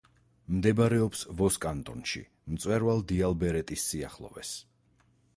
მდებარეობს ვოს კანტონში, მწვერვალ დიალბერეტის სიახლოვეს.